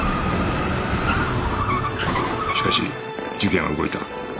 しかし事件は動いた